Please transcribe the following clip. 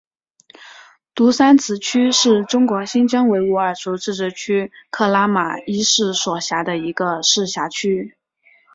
独山子区是中国新疆维吾尔自治区克拉玛依市所辖的一个市辖区。